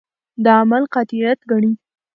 د عمل قاطعیت ګڼي.